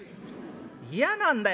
嫌なんだよ